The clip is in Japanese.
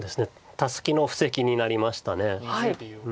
タスキの布石になりました。